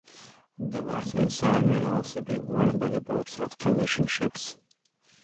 The White Ensign may also be worn by the boats of commissioned ships.